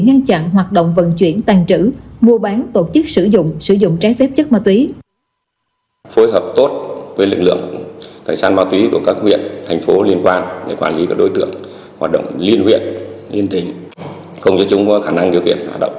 ngăn chặn hoạt động vận chuyển tàn trữ mua bán tổ chức sử dụng sử dụng trái phép chất ma túy